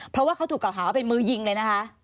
เพราะว่าเขาถูกกล่าวหาว่าเป็นมือยิงเลยนะคะ